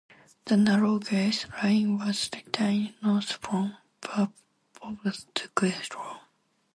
The narrow gauge line was retained north from Peterborough to Quorn.